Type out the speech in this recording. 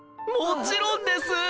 もちろんです！